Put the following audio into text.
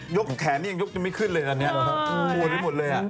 ยกแขนนี่ยังยกไม่ขึ้นเลยอันนี้มันหัวได้ทั้งหมดเลย